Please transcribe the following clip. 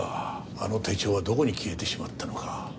あの手帳はどこに消えてしまったのか。